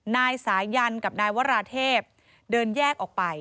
นายสายันกับนายวราเทพเดินแยกออกไป